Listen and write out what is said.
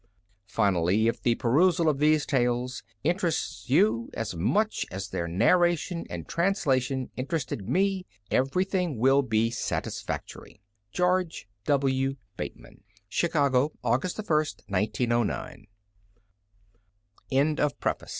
Finally, if the perusal of these tales interests you as much as their narration and translation interested me, everything will be satisfactory. GEORGE W. BATEMAN. Chicago, August 1, 1901. CONTENTS PAGE To my Readers 5 I.